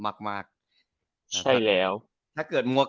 ถ้าเกิดมัวกเกิดเนี่ยเดี๋ยวคิดว่าจะไม่อะไรนะเวลาจะยืดยาวไป